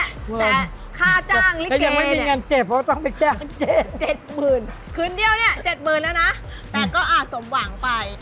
แต่ค่าจ้างริเกย์เนี่ยคืนเดียวเนี่ย๗๐๐๐๐บาทแล้วนะแต่ก็อาจสมหวังไป